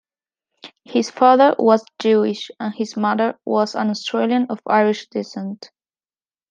His father was Jewish and his mother was an Australian of Irish descent.